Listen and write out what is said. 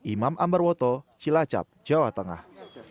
imam ambarwoto cilacap jawa tengah